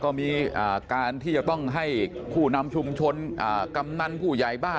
ก็มีการที่จะต้องให้ผู้นำชุมชนกำนันผู้ใหญ่บ้าน